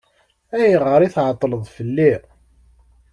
Ayɣer i tɛeṭṭleḍ fell-i?